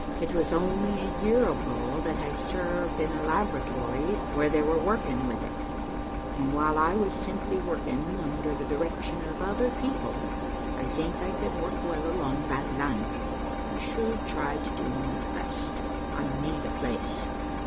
It was only a year ago that I served in a laboratory where they were working with it, and while I was simply working under the direction of other people, I think I could work well along that line. I should try to do my best. I need a place."